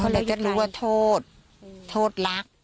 เราจะรู้ว่าโทษโทษโทษรัก